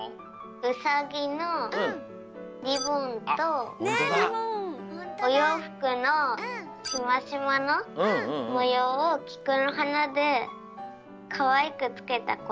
うさぎのりぼんとおようふくのしましまのもようをきくのはなでかわいくつけたことかな。